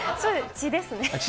血ですね。